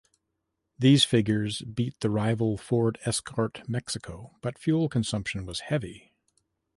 These figures beat the rival Ford Escort Mexico, but fuel consumption was heavy.